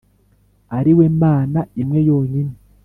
ari we Mana imwe yonyine